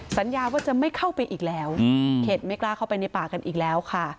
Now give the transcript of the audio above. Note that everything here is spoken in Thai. สัญญาว่าจะไม่เข้าไปอีกแล้วเข็ดไม่กล้าเข้าไปในป่ากันอีกแล้วค่ะ